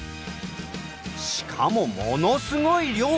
しかもものすごい量！